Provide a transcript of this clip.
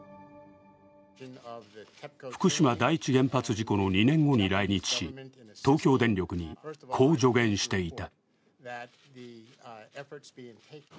福島第一原発事故の２年後に来日し、東京電力にこう助言していた。